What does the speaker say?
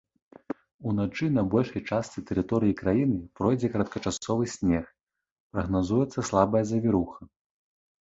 Уначы на большай частцы тэрыторыі краіны пройдзе кароткачасовы снег, прагназуецца слабая завіруха.